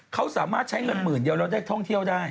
เขาสามารถใช้เงินหมื่นเดียวแล้วได้ท่องเที่ยวได้